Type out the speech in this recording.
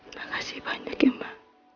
makasih banyak ya mbak